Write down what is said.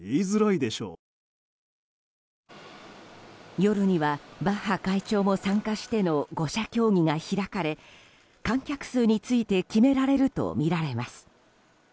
夜にはバッハ会長も参加しての５者協議が開かれ観客数について決められるとみられます。